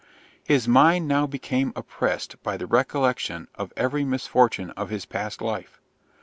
His mind now became oppressed by the recollection of every misfortune of his past life.